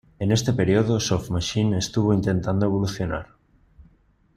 En este período Soft Machine estuvo intentando evolucionar.